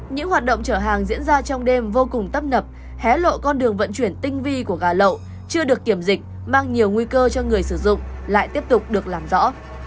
những hoạt động chở hàng diễn ra trong đêm vô cùng tấp nập hé lộ con đường vận chuyển tinh vi của gà lậu chưa được kiểm dịch mang nhiều nguy cơ cho người sử dụng lại tiếp tục được làm rõ